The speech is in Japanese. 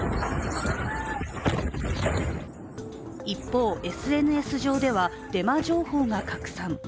一方、ＳＮＳ上ではデマ情報が拡散。